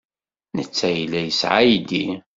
Netta yella yesɛa aydi.